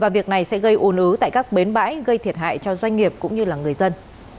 việc này sẽ gây ồn ứ tại các bến bãi gây thiệt hại cho doanh nghiệp cũng như người dân